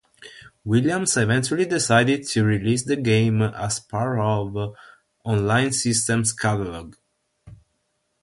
Williams eventually decided to release the game as part of On-Line Systems' catalog.